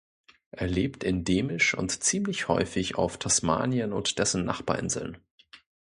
Er lebt endemisch und ziemlich häufig auf Tasmanien und dessen Nachbarinseln.